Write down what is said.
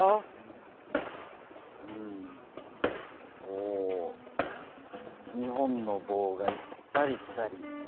お２本の棒が行ったり来たり。